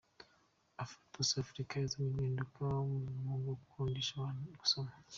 Afflatus Africa yazanye impinduka mu gukundisha abantu gusoma.